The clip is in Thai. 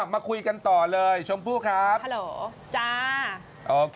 มาคุยกันต่อเลยชมผู้ครับ